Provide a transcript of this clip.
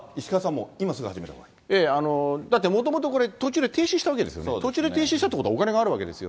もう、だって、もともとこれ、途中で停止したわけですよね、途中で停止したということはお金があるわけですよ。